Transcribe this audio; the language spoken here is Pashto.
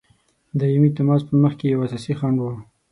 دایمي تماس په مخکي یو اساسي خنډ وو.